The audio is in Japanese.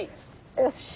よし。